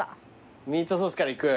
ミートソースからいく。